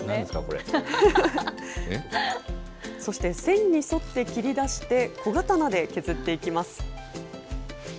そして、線に沿って切り出して、小刀で削っていきます。